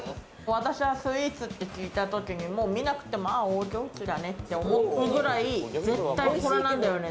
私はスイーツって聞いたときに見なくても、あぁ、オーギョーチだねって思うぐらい、絶対これなんだよね。